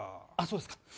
そうですか。